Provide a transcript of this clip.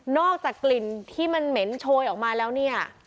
อกจากกลิ่นที่มันเหม็นโชยออกมาแล้วเนี่ย